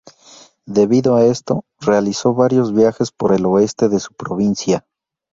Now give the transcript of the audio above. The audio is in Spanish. Debido a esto, realizó varios viajes por el oeste de su provincia.